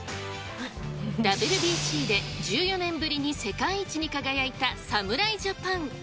ＷＢＣで１４年ぶりに世界一に輝いた侍ジャパン。